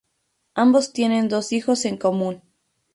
Ambos tienen dos hijos en común.